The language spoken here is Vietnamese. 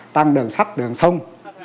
tăng đường sắt đường sông